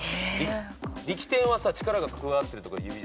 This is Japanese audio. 力点はさ力が加わってるとこで指でしょ。